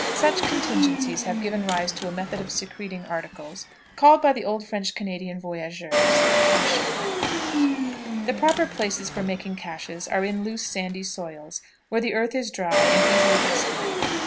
Such contingencies have given rise to a method of secreting articles called by the old French Canadian voyagers "caching." The proper places for making cachés are in loose sandy soils, where the earth is dry and easily excavated.